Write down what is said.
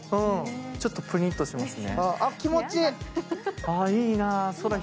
ちょっとプニッとしますね。